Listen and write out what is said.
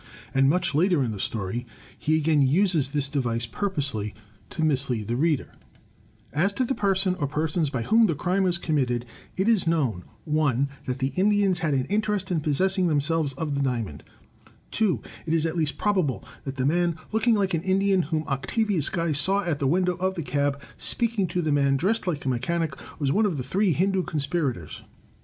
And much later in the story he again uses this device, pur posely to mislead the reader: "As to the person, or persons, by whom the crime was committed: It is known (1) that the Indians had an interest in possessing them selves of the Diamond. (2) It is at least probable that the man look ing like an Indian, whom Octavius Guy saw at the window of the cab speaking to the man dressed like a mechanic, was one of the three 196 THE TECHNIQUE OF THE MYSTERY STORY Hindoo conspirators.